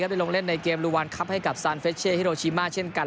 ได้ลงเล่นในเกมรุวันครับให้กับซานเฟชเช่ฮิโรชิมาเช่นกัน